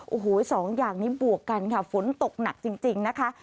โอ้โหสองอย่างนี้บวกกันค่ะฝนตกหนักจริงนะคะ